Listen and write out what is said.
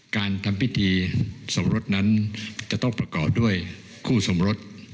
การทำพิธีสมรสนั้นจะต้องประกอบด้วยคู่สมรส